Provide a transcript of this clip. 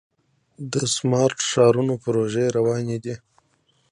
د سمارټ ښارونو پروژې روانې دي.